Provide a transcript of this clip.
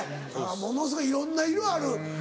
ものすごいいろんな色ある。